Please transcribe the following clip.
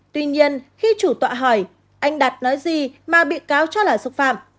tuy nhiên khi chủ tọa hỏi anh đạt nói gì mà bị cáo cho là xúc phạm